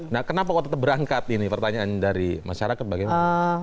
nah kenapa kok tetap berangkat ini pertanyaan dari masyarakat bagaimana